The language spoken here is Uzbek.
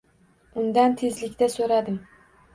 Undan tezlikda so`radim